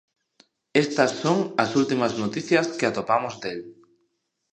Estas son as últimas noticias que atopamos del.